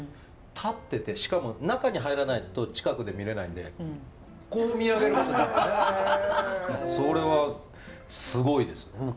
立っててしかも中に入らないと近くで見れないのでこう見上げることになるんですね。